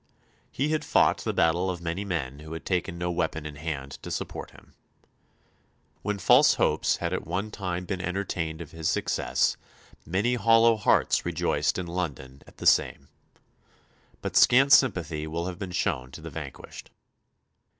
He had fought the battle of many men who had taken no weapon in hand to support him. When false hopes had at one time been entertained of his success "many hollow hearts rejoiced in London at the same." But scant sympathy will have been shown to the vanquished.